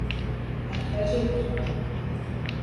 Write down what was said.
مخرج رودخانه